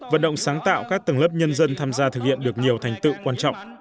vận động sáng tạo các tầng lớp nhân dân tham gia thực hiện được nhiều thành tựu quan trọng